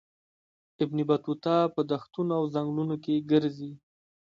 ابن بطوطه په دښتونو او ځنګلونو کې ګرځي.